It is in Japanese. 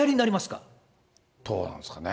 どうなんですかね。